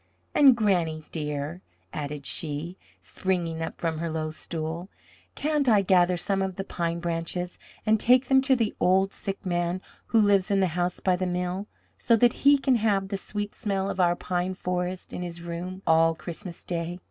And, Granny, dear," added she, springing up from her low stool, "can't I gather some of the pine branches and take them to the old sick man who lives in the house by the mill, so that he can have the sweet smell of our pine forest in his room all Christmas day?"